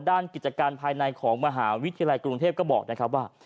กิจการภายในของมหาวิทยาลัยกรุงเทพก็บอกนะครับว่า